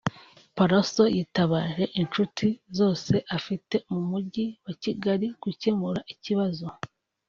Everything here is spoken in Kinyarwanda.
Pallaso yitabaje inshuti zose afite mu Mujyi wa Kigali gukemura ikibazo